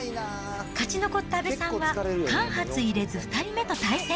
勝ち残った阿部さんは間髪入れず２人目と対戦。